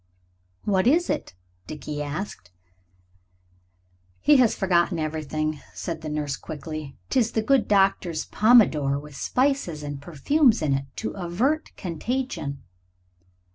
"What is it?" Dickie asked. "He has forgotten everything," said the nurse quickly; "'tis the good doctor's pomander, with spices and perfumes in it to avert contagion."